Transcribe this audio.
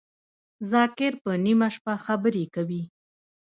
ذاکر په نیمه شپه خبری کوی